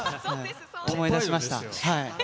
思い出しました。